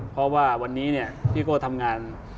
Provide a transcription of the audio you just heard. เพราะว่าวันนี้พี่โก้ทำงาน